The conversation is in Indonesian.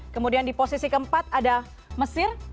kemudian di posisi keempat ada mesir